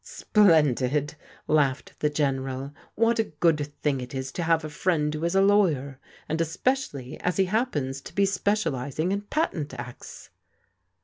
" Splendid," laughed the Greneral. " What a good thing it is to have a friend who is a lawyer, and espe cially as he happens to be specializing in Patent Acts."